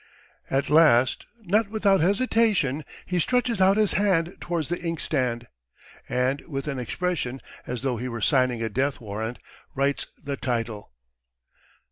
At last, not without hesitation, he stretches out his hand towards the inkstand, and with an expression as though he were signing a death warrant, writes the title.